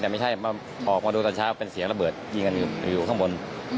แต่ไม่ใช่ออกมาดูตอนเช้าเป็นเสียงระเบิดยิงกันอยู่ข้างบน